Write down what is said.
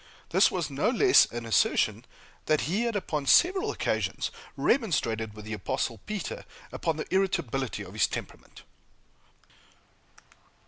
This was no less an assertion than that he had upon several occasions remonstrated with the Apostle Peter upon the irritability of his temperament!